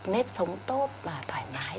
nếp sống tốt và thoải mái